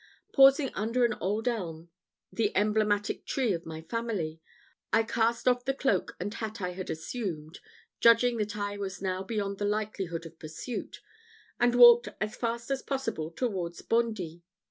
Pausing under an old elm, the emblematic tree of my family, I cast off the cloak and hat I had assumed, judging that I was now beyond the likelihood of pursuit, and walked as fast as possible towards Bondy.